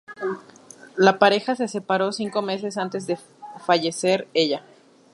La pareja se separó cinco meses antes de fallecer ella.